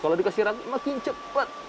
kalau dikasih ragu makin cepat